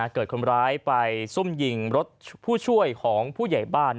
เกิดคนร้ายไปซุ่มยิงรถผู้ช่วยของผู้ใหญ่บ้าน